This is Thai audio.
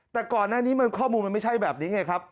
แต่ก่อนหน้านี้ข้อมูลมันไม่ใช่แบบนี้ไงครับ